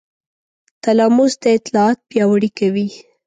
تلاموس دا اطلاعات پیاوړي کوي.